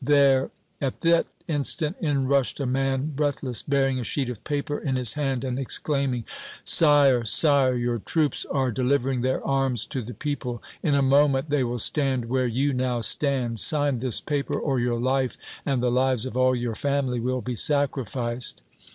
There " At that instant in rushed a man breathless, bearing a sheet of paper in his hand, and exclaiming: "Sire Sire your troops are delivering their arms to the people! In a moment they will stand where you now stand! Sign this paper, or your life and the lives of all your family will be sacrificed!"